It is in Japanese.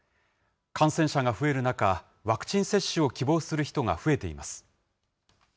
感染者が増える中、ワクチン接種を希望する人が増えています。